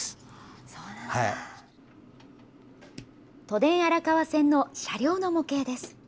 都電荒川線の車両の模型です。